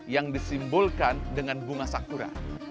yang disimbolkan dengan bunga sakura